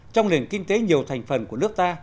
trong nền kinh tế nhiều thành phần của nước ta